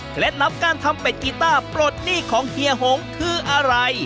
ลับการทำเป็ดกีต้าปลดหนี้ของเฮียหงคืออะไร